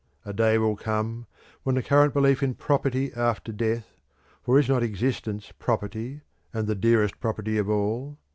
A day will come when the current belief in property after death (for is not existence property, and the dearest property of all?